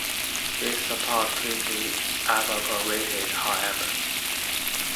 This support quickly evaporated, however.